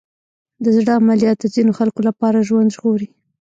د زړه عملیات د ځینو خلکو لپاره ژوند ژغوري.